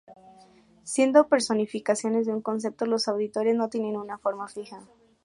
Siendo personificaciones de un concepto, los Auditores no tienen una forma fija.